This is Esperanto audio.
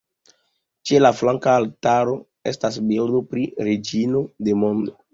Ĉe la flanka altaro estas bildo pri "Reĝino de Mondo".